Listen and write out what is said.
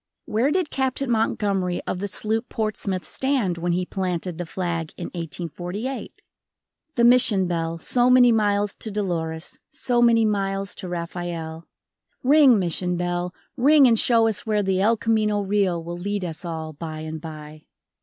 Where did Captain Montgomery of the sloop Portsmouth stand when he planted the flag in 1848? The Mission bell, so many miles to Dolores, so many miles to Rafael. Ring, Mission bell, ring and show us where the El Camino Real will lead us all by and by.